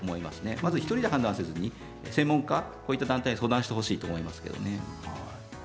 まず１人で判断せずに専門家、こういった団体に相談してほしいと思います。